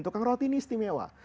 tukang roti ini istimewa